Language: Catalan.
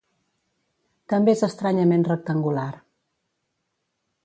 També és estranyament rectangular.